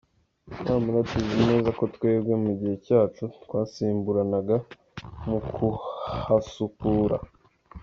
Nyamara tuzi neza ko twebwe mu gihe cyacu twasimburanaga mu kuhasukura.